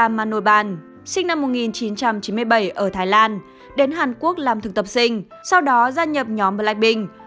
lisa tên thật là lisa manoban sinh năm một nghìn chín trăm chín mươi bảy ở thái lan đến hàn quốc làm thực tập sinh sau đó gia nhập nhóm blackpink